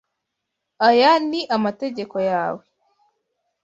Aya ni amategeko yawe.